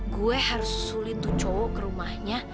gue harus sulit tuh cowok ke rumahnya